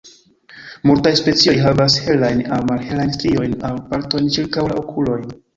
Multaj specioj havas helajn aŭ malhelajn striojn aŭ partojn ĉirkaŭ la okulojn.